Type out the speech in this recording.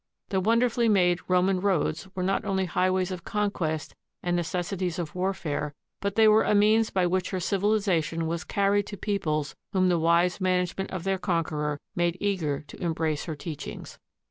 The wonderfully made Roman roads were not only highways of conquest and neces sities of warfare, but they were a means by which her civili zation was carried to peoples whom the wise management of their conqueror made eager to embrace her teachings.